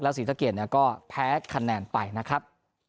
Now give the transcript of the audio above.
และศรีทะเกียรติก็แพ้คะแนนไปนะครับ